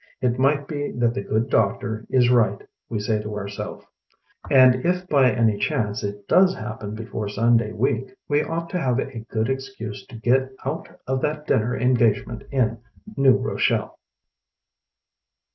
"It might be that the good doctor is right," we say to ourself ; "and if by any chance it does happen before Sun day week we ought to have a good ex cuse to get out of that dinner engage ment in New Rochelle."